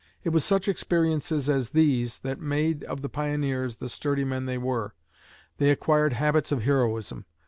It was such experiences as these that made of the pioneers the sturdy men they were. They acquired habits of heroism.